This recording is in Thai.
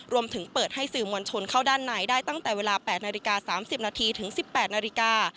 รวมถึงเปิดให้สื่อมวลชนเข้าด้านในได้ตั้งแต่เวลา๘นาฬิกา๓๐นาทีถึง๑๘นาฬิกา